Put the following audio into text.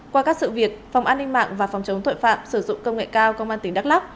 qua các sự việc phòng an ninh mạng và phòng chống tội phạm sử dụng công nghệ cao công an tỉnh đắk lắk